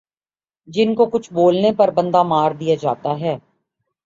جن کو کچھ بولنے پر بندہ مار دیا جاتا ھے